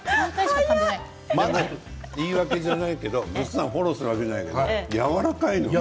言い訳じゃないけどぐっさんをフォローするわけじゃないけど、やわらかいのよ。